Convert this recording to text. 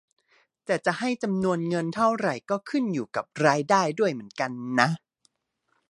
แต่จะให้จำนวนเงินเท่าไรก็ขึ้นอยู่กับรายได้ด้วยเหมือนกันนะ